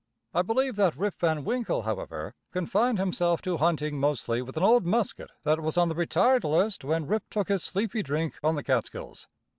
I believe that Rip Van Winkle, however, confined himself to hunting mostly with an old musket that was on the retired list when Rip took his sleepy drink on the Catskills.